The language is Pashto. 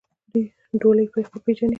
ډولۍ خو پېژنې؟